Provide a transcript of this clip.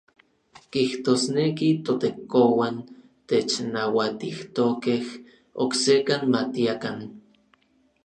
Kijtosneki ToTekouan technauatijtokej oksekan matiakan.